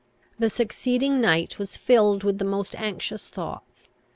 The succeeding night was filled with the most anxious thoughts.